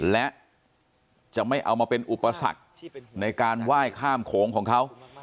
และจะไม่เอามาเป็นอุปสรรคในการไหว้ข้ามโขงของเขา